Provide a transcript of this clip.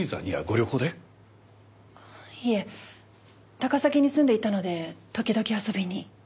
高崎に住んでいたので時々遊びに。